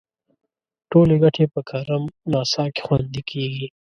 ټولې ګټې په کرم ناسا کې خوندي کیږي.